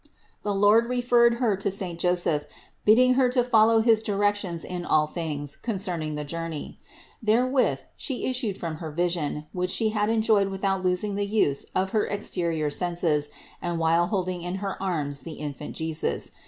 The Lord referred Her to saint Joseph, bidding Her to fol low his directions in all things concerning the journey. Therewith She issued from her vision, which She had enjoyed without losing the use of her exterior senses and while holding in her arms the Infant Jesus.